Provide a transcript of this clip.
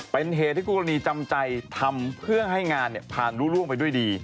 เป็นเหตุที่คู่กรณีจำใจทำเพื่อให้งานผ่านรู้ร่วงไปด้วยดี